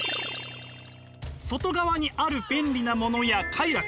外側にある便利なものや快楽。